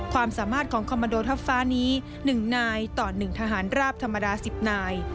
ความสามารถของคอมมันโดทัพฟ้านี้๑นายต่อ๑ทหารราบธรรมดา๑๐นาย